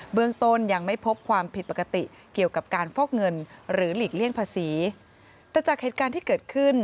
เรื่องต้นยังไม่พบความผิดปกติเกี่ยวกับการฟอกเงินหรือหลีกเลี่ยงภาษีแต่จากเหตุการณ์ที่เกิดขึ้น